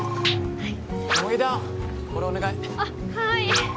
はい。